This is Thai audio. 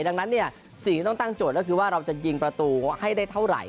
ดังนั้นเนี่ยสิ่งที่ต้องตั้งโจทย์ก็คือว่าเราจะยิงประตูให้ได้เท่าไหร่